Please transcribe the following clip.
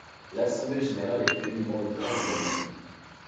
L'assemblée générale est prévue dans le courant du mois de mai.